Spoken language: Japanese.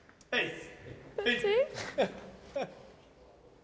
はい。